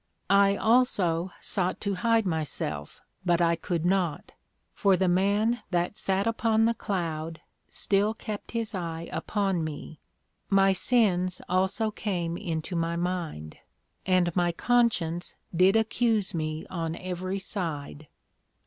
I also sought to hide myselfs but I could not, for the Man that sat upon the Cloud still kept his eye upon me: my sins also came into my mind; and my Conscience did accuse me on every side.